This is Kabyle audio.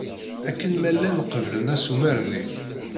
Akken ma llan qeblen assumer-nni.